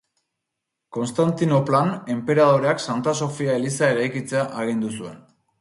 Konstantinoplan, enperadoreak Santa Sofia eliza eraikitzea agindu zuen.